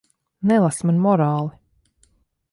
Nelasi man morāli.